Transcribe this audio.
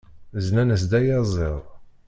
Zlan-as-d ayaziḍ.